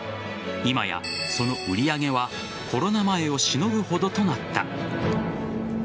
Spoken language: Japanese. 今やその売り上げはコロナ前をしのぐほどとなった。